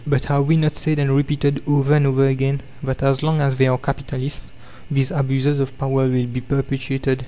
But have we not said and repeated over and over again, that as long as there are capitalists, these abuses of power will be perpetuated?